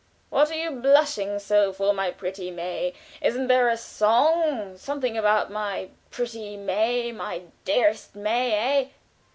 "What are you blushing so for, my pretty May? Isn't there a song something about my pretty May, my dearest May, eh?"